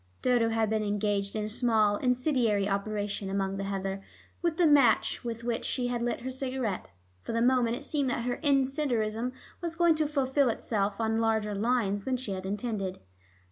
Dodo had been engaged in a small incendiary operation among the heather, with the match with which she had lit her cigarette. For the moment it seemed that her incendiarism was going to fulfil itself on larger lines than she had intended.